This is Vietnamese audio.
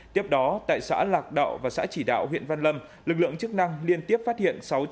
tiếp đó tại xã lạc đạo và xã chỉ đạo huyện văn lâm lực lượng chức năng liên tiếp phát hiện